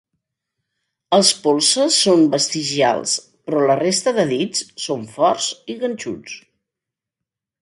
Els polzes són vestigials, però la resta de dits són forts i ganxuts.